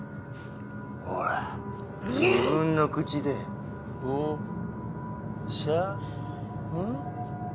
ほら自分の口でおしゃん？